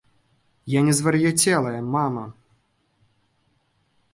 Я не звар'яцелая мама!